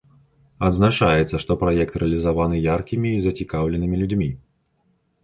Адзначаецца, што праект рэалізаваны яркімі і зацікаўленымі людзьмі.